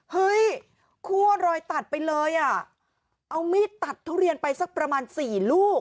เฮ้ยคั่วรอยตัดไปเลยอ่ะเอามีดตัดทุเรียนไปสักประมาณสี่ลูก